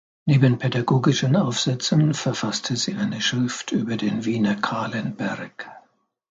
Neben pädagogischen Aufsätzen verfasste sie eine Schrift über den Wiener Kahlenberg.